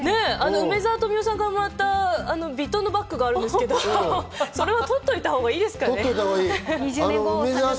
梅沢富美男さんからもらったヴィトンのバッグがあるんですけど、とっておいたほうがいいですかね？